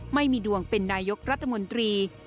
ไม่มีดวงเป็นนายกรัฐมนตรี